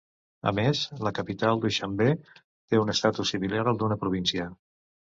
A més; la capital, Duixanbe, té un estatus similar al d'una província.